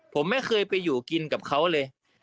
ผมไม่เคยไปอยู่กินกับเขาเลย